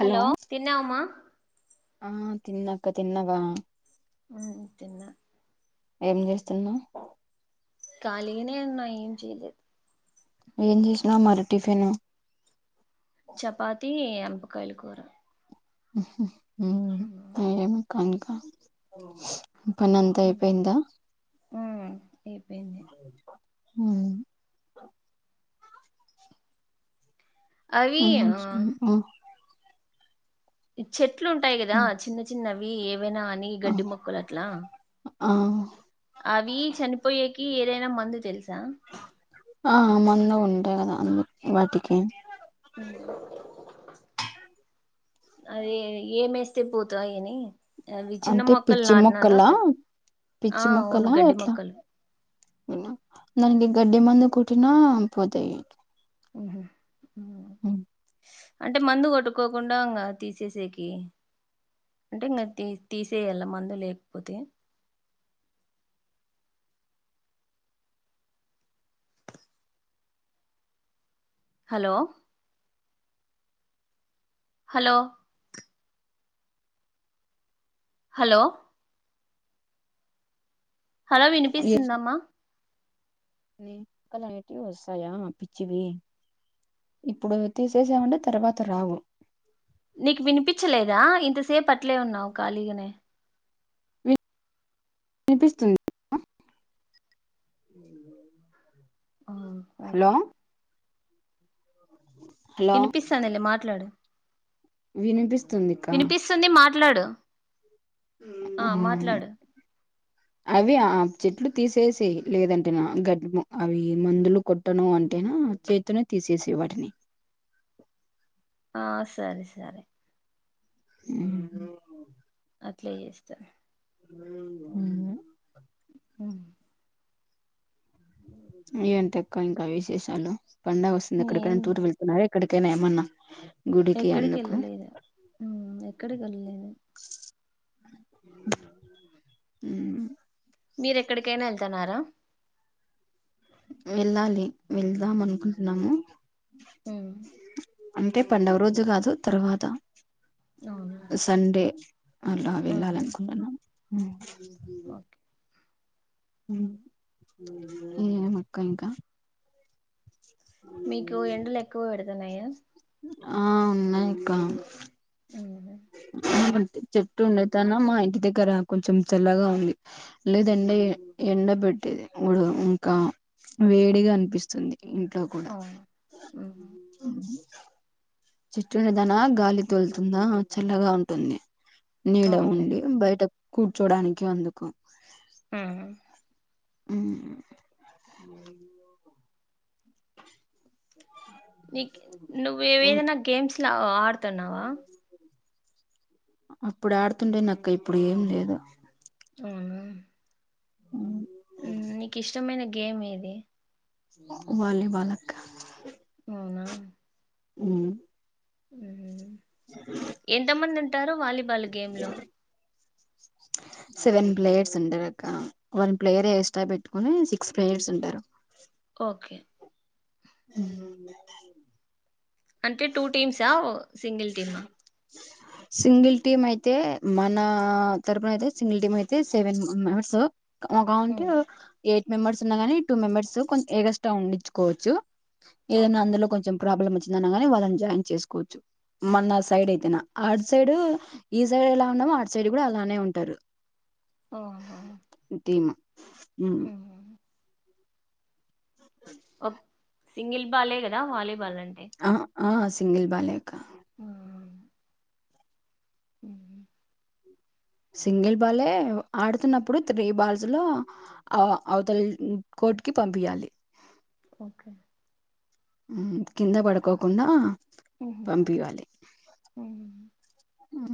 Hello తిన్నవమ్మా తిన్నక తిన్నవా అంతే నా ఏం చేస్తున్నా ఖాళీగానే ఉన్న ఏం చేయలేదు ఏం చేసినా మరి టిఫిను చపాతి అంపకాయలు కూర ఆహా హ్మ్ ఏమి [unintelligible] ఆ పని అంత మ్మ్ అయిపోయిందా అయిపోయింది హ్మ్ అవి ఆ [unintelligible] ఆ ఇచ్చె నట్లు ఉంటాయి కదా మ్మ్ చిన్న చిన్న బి ఎ ఏవైనా అని గడ్డి మొక్కలు అట్లా ఆ అవి చనిపోయేకి ఏదైనా మందు జల్లి ఆ మొన్న ఉం టను అందు వాటికి అదే ఏమేస్ తే పోతాయని అవి చిన్న అంటే మొక్కల్ పిచ్చి నాటినాను మొక్కలా పెద్ ఆ అవును గడ్డి మొక్కలు దనికి గడ్డి మందు కోట్టినా పోతాయి ఉహు ఉహ్ అంటే మందు కొట్టుకోకుండా ఉండంగ ఇంగా తీసేసేకి అంటే ఇంగ తీ తీసేయాల మందు లేకపోతే హలో హలో హలో హలో వినిపిస్తుందా అమ్మ మొక్కలనేటివి వస్తాయా పిచ్చివి ఇప్పుడు తీసేసామంటే తర్వాత రావు నీకు వినిపించలేదా ఇంతసేపు అట్లే ఉన్నావు ఖాళీగానే వినిపిస్తుంది ఆ హలో ఓకే హలో ఇనిపిస్తాందిలే మాట్లాడు వినిపిస్తుంది కా ట్లాడు ఆ మాట్లాడు అవి ఆ చెట్లు తీసేసి లేదంటేనా గడ్ అవి మందులు కొట్టను అంటేను చేతితోనే తీసేసే వాటిని ఆ సరే సరే ఉహు అట్లే చేస్తాం ఉ ఉ ఏంటక్కా ఇంకా విశేషాలు పండగొస్తుంది ఏం ఎక్కడక్కడకైన టూర్ వెళ్తున్నారా ఏ ఇక్కడికనా ఏమన్నా గుడికి ఎక్కడికి అందుకు వెళ్ళలేదు ఉహ్ ఎక్కడికి ఎల్లలేదు ఉహ్ మీర ఎక్కడికైనా ఏళ్తున్నారా వెళ్ళాలి వెళ్దాం అనుకుంటున్నాము ఉహ్ అంటే పండగ రోజు కాదు తర్వాత అవును సండే అలా వెళ్ళాలి ఉమ్, అనుకుంటున్నా ఉ విన్పిదు ఓకే ఉ ఏమక్క ఇంకా మీకు ఎండలు ఎక్కువ పెడుతున్నాయా ఆ ఉన్నాయి అక్క ఉ అయితే చెట్టు ఉండే తన మా ఇంటి దగ్గర కొంచెం చల్లగా ఉంది లేద ఎండ ఎండ పెట్టేది ఉడు ఇంకా వేడిగా అనిపిస్తుంది ఇంట్లో కూడా అవును మ్మ్ చెట్టు ఉండదన గాలి తొలుతుందా చల్లగా ఉంటుంది నీడ అవునులే ఉండి బయట కూర్చోడానికి అందుకు ఆ ఉ నీకి నువ్వు ఏవేదైనా గేమ్స్ లో ఆడుతున్నావా అప్పుడు ఆడుతుండే నక్క ఇప్పుడు ఏం లేదు అవునా నీకు ఇష్టమైన గేమ్ ఏది వాలీబాలక్క అవునా ఉ ఉ ఎంత మంది ఉంటారు వాలీబాల్ గేమ్ లో సెవెన్ ప్లేయర్స్ ఉంటారు అక్క వన్ ప్లేయర్ ఎక్స్ట్రా పెట్టుకుని సిక్స్ ప్లేయర్స్ ఉంటారు ఓకే ఉంటారు అంటే టూ టీమ్సా సింగిల్ టీమా సింగిల్ టీమ్ అయితే మన తరపున అయితే సింగిల్ టీమ్ అయితే సెవెన్ మెంబర్స్ ఒకౌంటు మ్మ్ ఎట్ మెంబర్స్ ఉన్నాగానీ టూ మెంబర్స్ కొ ఏగష్ట ఉండించుకోవచ్చు ఏదన్నా ఓకే అందులో కొంచెం ప్రాబ్లమ్ వచి నల్లనే వాళ్ళని జాయిన్ చేసుకోవచ్చు మన సైడ్ అయితేనా ఆడ్ సైడ్ ఈ సైడ్ ఎలా ఉన్నామో ఆటు సైడ్ కూడా అలానే ఉంటారు ఓహో ఉమ్ మ్మ్ ఒక్ సింగిల్ బాలే కదా వాలీబాలన్ అంటే ఆ ఆ సింగిల్ బాలే కా ఆ ఊహూ సింగిల్ బాలే ఆడుతున్నప్పుడు త్రీ బాల్స్ లో అ అవతల కోర్ట్ కి పంపియ్యాలి ఓకే ఊహూ కింద పడుకోకుండా పంపియ్యాలి మ్మ్ ఆ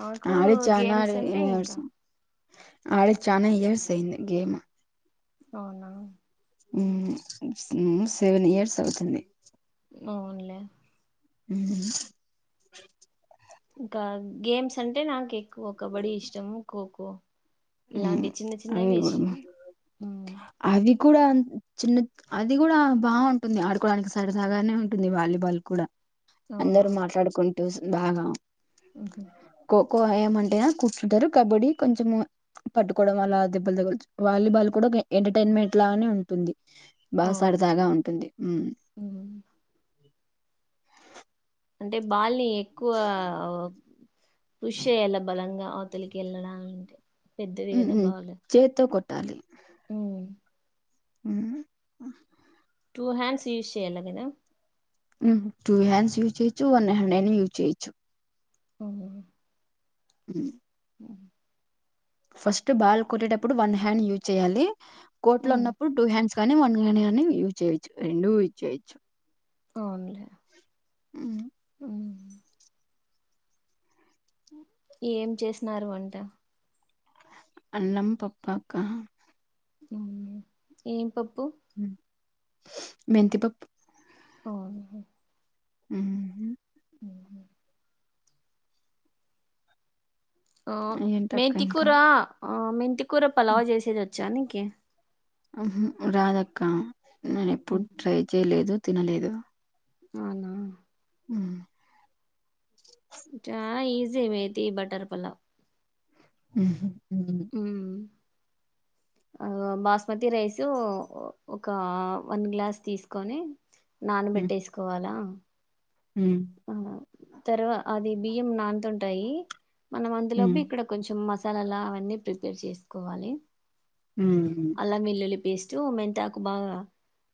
నాకు అడి చానా గేమ్స్ అంటే ఇంకా [inaudible] ఆడి చానా ఇయర్స్ అయ్యింది గేమ్ అవునా ఉమ్మ్ సెవెన్ ఇయర్స్ అవుతుంది అవునులే ఊహూ ఇంకా గేమ్స్ అంటే నాకెక్ క్కువ కబడ్డీ ఇష్టము ఖోఖో మ్మ్ ఇలాంటి చిన్న అవి చిన్నవి కూడా ఇష్టం ఉమ్మ్ అవి కూడా చిన్న అది కూడా బావుంటుంది ఆడుకోడానికి సరదగానే ఉంటుంది వాలీబాల్ కూడా అందరు మాట్లాడుకుం టూస్ బాగా మ్‌హూ ఖోఖో ఏమంటే కూర్చుంటారు కబడ్డీ కొంచెం పట్టుకోవడం అలా దెబ్బలు తగల్చు వాలీబాల్ కూడా ఎంటర్టైన్మెంట్ లాగానే ఉంటుంది బా అవును సరదాగా ఉంటుంది ఉమ్ మ్మ్ అంటే బాల్ ని ఎక్కువ పుష్ చెయ్యాల బలంగా అవతలికి వెళ్ళడాలంటే పెద్దవి ఉమ్ మ్మ్ చేత్తో కొ ట్టాలి ఉమ్మ్ ఉమ్మ్ టూ హ్యాండ్స్ యూస్ చేయాల గదా ఉమ్ టుూ హ్యాండ్స్ యూస్ చెయ్యచ్చు వన్ హ్యాండ్ అయినా యూస్ చెయ్యచ్చు అఓ [inaudible] ఫస్ట్ బాల్ కొట్టేటప్పుడు వన్ హ్యాండ్ యూజ్ చేయాలి కొట్లో మ్మ్ ఉన్నప్పుడు టూ హ్యాండ్స్ కానీ వన్గాని అని యుజ్ చేయిచ్చు రెండూ యుజ్ చేయిచ్చు అవునులే ఉ మ్ ఏం చేసినారు వంట అన్నం పప్పా అక్క ఏం పప్పు మ్ మెంతి పప్పు ఓ ఉహు ఉహు ఓ ఏంటక్క ఇంకా మెంతికూర ఆ మెంతి కూర పలావ్ చేసేది జానిగ్ కి ఉహు రాదక్క నేను ఎప్పుడు ట్రై చేయలేదు తినలేదు అవునా మ్ చా ఈజీ మేది బటర్ పలావ్ ఉహు మ్ మ్మ్ ఆ బాస్మతి రైస్ ఒక వన్ గ్లాస్ తీసుకొని హ్మ్. నానబెట్టేసుకోవాలా హ్మ్. పలావ్ తర్వా అది బియ్యం నాంతుంటాయి మనం అందులోపు హ్మ్. ఇక్కడ కొంచెం మసా చాలలా అవన్నీ ప్రిపేర్ చేసుకోవాలి మ్ అల్లం వెల్లుల్లి పేస్ట్ మెంతాకు బాగా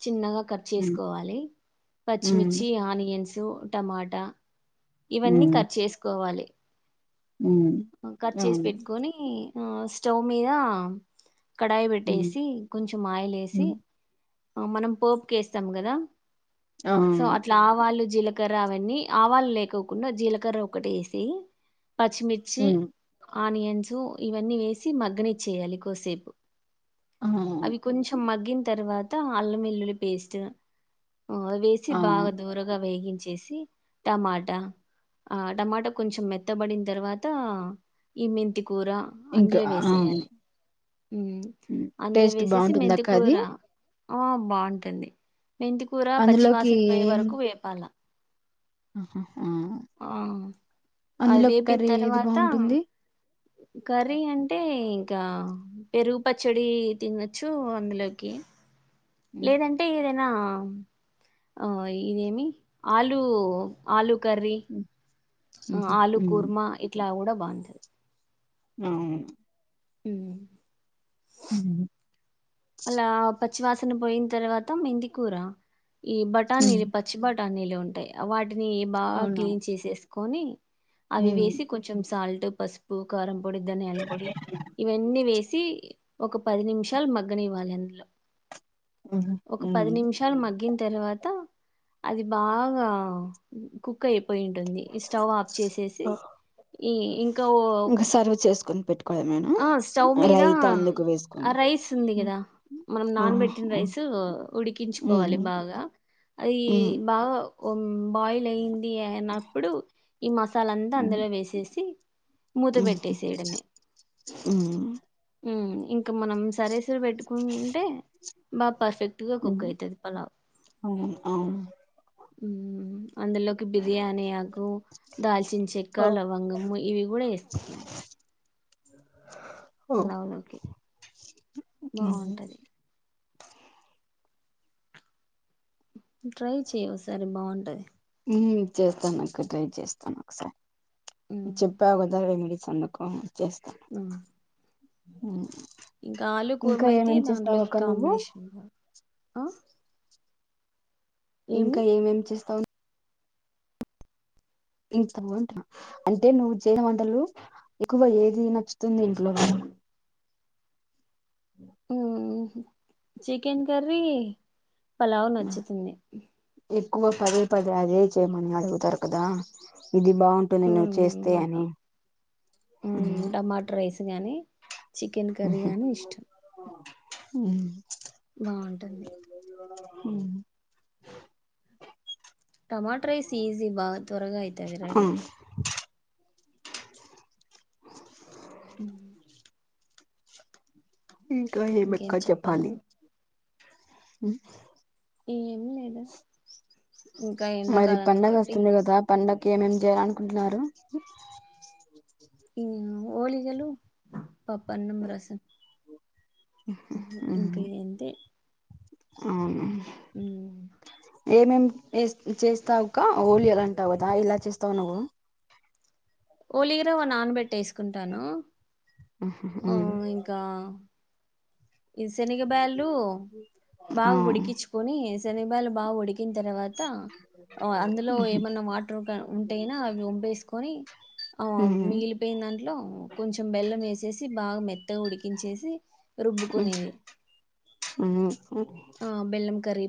చిన్నగా కట్ హ్మ్. చేసుకోవాలి హ్మ్. పచ్చిమిర్చి ఆనియన్స్ తో టమాటా ఇవన్నీ హ్మ్. కట్ చేసుకోవాలి హ్మ్. కట్ చేసి అవును పెట్టుకొని ఆ స్టవ్ మీద కడాయి హ్మ్. పెట్టేసి కొంచెం ఆయిలేేసి హ్మ్. మనం పోపు కేేస్తాము కదా సో అవును అట్లా ఆవాళ్ళు జీల కర్ర అవన్నీ ఆవాలు లేకోకుండా, జీలకర్ర ఒకటి ఏసి పచ్చిమిర్చి హ్మ్. ఆనియన్సు, ఇవన్నీ వేసి మగ్గనిచ్చేయాలి కోసేపు ఆ! అవి కొంచెం మగ్గిన్ తర్వాత అల్లంఎల్లులి పేస్ట్ ఓ వేసి ఆ! బాగా దోరగా వేగి చేసి టమాటా, ఆ టమాట కొంచం మెత్తబడిన తర్వాత ఈ మెంతి కూర ఇంకా అందులో అవును. వేసేయాలి ఊమ్ హ్మ్. అందులో టేస్ట్ వేసేసి బావుంటుందక్క మెంతికూర అది? ఆ బాగుంటుంది మెంతికూర పచ్చివాసన పోయే వరకు వేపాల ఆ అది అందులో వేపిన కర్రీ ఏది తర్వాత బాగుంటుంది కర్రీ అంటే ఇంకా పెరుగు పచ్చడి తినొచ్చు అందులోకి హ్మ్. లేదంటే ఇదే ఆ ఆ ఇదేమి ఆలు ఆలు కర్రీ హ్మ్. ఆ హుహు. ఆలూ హ్మ్. కూర్మా, ఇట్లా కూడా బావుంటది అవును ఉమ్ ఉహూ అలా పచ్చివాసన పోయిన తర్వాత మెంతికూర ఈ బటానీ హ్మ్. పచ్చి బ నీలు ఉంటాయి వాటి ని బాగా అవునా? క్లీన్ చేసేస్ కొని అవి హ్మ్. వేసి కొంచెం సాల్ట్ పసుపు, కారం పొడి, ధనియాల పొడి ఇవన్నీ వేసి చి ఒక పది నిమిషాలు మచ్ అగ్గనివాల్ ఎన్లో హుహు. ఒక హ్మ్. పది నిమిషాలు మగ్గిన్ తర్వాత అది బాగా కుక్ కుక్ అయిపోయింటుంది స్టవ్ ఆఫ్ చేసేసి ఆ! ఈ ఇంకా ఓ ఇంక సర్వ్ చేసుకొని పెట్టుకోవడమేనా? ఆ స్టవ్ మీద రైతా అందుకు ఆ వేసుకొని. రైస్ ఉంది హ్మ్. గదా మనం నాన్ ఆహా! పెట్టిన ఆ! రైస్ ఉడికించుకోవాలి హ్మ్. బాగా అది హ్మ్. బాగా ఓమ్ బాయిల్ అయింది అన్నప్పుడు ఈ మాత్ తాలంతా హ్మ్. అందులో వేసేసి మూతబెట్టేసేయడమే ఉ ఉ ఇంకా మనం సరేసరి పెట్టుకుంటే బాప్ పర్ఫెక్ట్గా కుక్ హ్మ్. అయితది పలావ్ అవును. అవును. ఉ అందులోకి బిర్యానీ ఆకు దాల్చిన చెక్క ఓహో! లవంగము ఇవి కూడా వేసుకోవాలి పలావ్ లోకి హ్మ్. బాగుంటది ట్రై చెయ్ ఓ సారి బాగుంటది ఉ చేస్తాను అక్క ట్రై చేస్తాను ఒకసారి మ్మ్ చెప్పవు గదా వేడి సందుకం అచ్చే అ హ ఇంకా ఆలు కుర్మా అయితే దాంట్లోకి నువ్వు కాంబినేషన్ ఆ ఇంకా ఏమి ఏం ఏం చేస్తావు ఇంత బాగుంట అంటే నువ్వు చేసిన వంటలు ఎక్కువ ఏది నచ్చుతుంది ఇంట్లో ఉహు చికెన్ కర్రీ పలావ్ నచ్చుతుంది ఎక్కువ పదే పదే అదే చేయమని అడుగుతారు కదా ఇది బాగుంటుంది నువ్వు మ్మ్ చేస్తే అవును అని గానీ చికెన్ కర్రీ గాని ఇష్టం ఉ బాగుంటుంది ఊమ్ టమాటరయిస్ ఈజీ బా త్వరగా అయిత అది ఆ, రెడి [inaudible] ఇంకా ఏం మక్క ఇంకేం చెప్పాలి చెప్పలి నువ్వు? ఉ ఏం లేదు మరి పండగ ఒస్తుంది కదా పండక్ ఏమేం చేయాలనుకుంటున్నారు ఊ ఓళిగలు పప్పన్నం రసం ఊ ఉమ్, ఇంకా ఏంటి అవును ఊ ఏమేం ఏ చేస్తావుక హోలీ అలా అంటావు కదా ఇలా చేస్తావు నువ్వు ఓలీరవనానబెట్టేసుకుంటాను ఓ ఇంకా ఈ శనిగ బ్యాళు ఆ బాగా ఉడికించుకొని శనిబాలు బాగా ఉడికిన తర్వాత్ త అ అందులో ఏమన్నా వాటర్ ఒక ఉంటేయినా అవి ఒంపేసుకొని ఆ మిగిలిపోయిన దాంట్లో కొంచెం బెల్లం ఏసి చెసి బాగా మెత్తగా ఉడికించేసి రుబ్బుకునేది ఉహు ఊ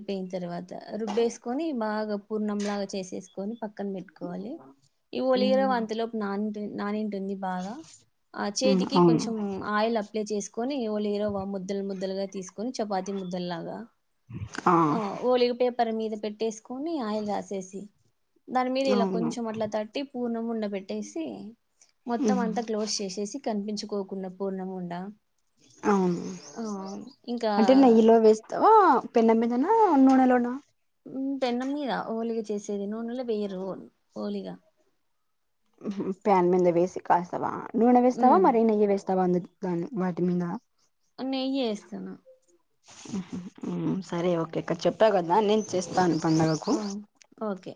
పోయిన తర్వాత రుబ్బేసుకొని బాగా పూర్ణంలాగా చేసేసుకొని పక్కన పెట్టుకోవాలి ఈ ఒలియరవ అంతలోపు నాన్ తె నానిన్ టుంది బాగా ఆ ఉమ్ చేతికి అవును కొంచెం ఆయిల్ అప్ ప్లై చేసునివ ఒలిరవ మో ముద్దలు ముద్దలుగా తీసుకుని చపాతి ముద్దలాగా ఆ పరి మీద పెట్టేస్ కొని ఆయిల్ రాసేసి దాని మీద ఇలా అవును కొంచెం అట్లా తట్టి పూర్ణముండబెట్టేసి మొత్తం అంతా క్లోజ్ చేసేసి కనిపించుక్ కోకున్న పూర్ణము ఉండ అవును ఆ ఇంకా అంటే నెయ్యిలో వేస్తావా పెన్న మీదనా నూనెలోనా పెనాం మీద హోలిగా చేసేది. నూనెలో వేయరు హోలిగా ప్యాన్ మీద వేసి కలస్తావా నూనే వేస్తవా హ్మ్ మరీ నెయ్యి వేస్తావా అందులో కానీ వాటి మీదా నెయ్యి యేస్తాను. హ్మ్ సరే ఒకటి ఇక్కడ చెప్పావ్ కదా నేను చేస్తాను పండగకు ఓ ఓకే